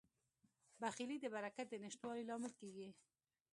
بخیلي د برکت د نشتوالي لامل کیږي.